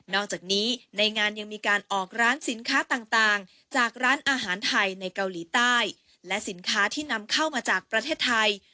อกจากนี้ในงานยังมีการออกร้านสินค้าต่างจากร้านอาหารไทยในเกาหลีใต้และสินค้าที่นำเข้ามาจากประเทศไทย